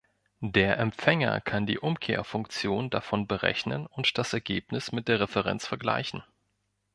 Der Empfänger kann die Umkehrfunktion davon berechnen und das Ergebnis mit der Referenz vergleichen.